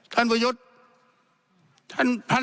ท่านประยุทธ